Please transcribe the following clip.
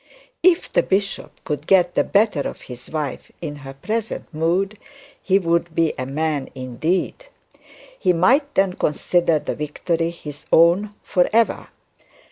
If the bishop could get the better of his wife in her present mood, he would be a man indeed. He might then consider victory his own for ever.